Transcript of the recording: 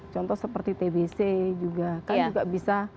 contoh seperti tbc juga kan juga bisa